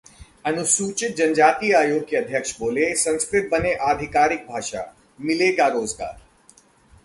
अनुसूचित जनजाति आयोग के अध्यक्ष बोले- संस्कृत बने आधिकारिक भाषा, मिलेगा रोजगार